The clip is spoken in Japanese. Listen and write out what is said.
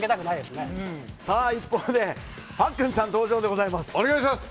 さあ、パックンさん登場でございます。